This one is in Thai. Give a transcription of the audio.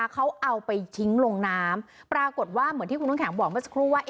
เขาเอาไปทิ้งลงน้ำปรากฏว่าเหมือนที่คุณน้ำแข็งบอกเมื่อสักครู่ว่า